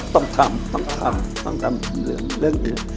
ต้องทำต้องทำต้องทำเรื่องอื่น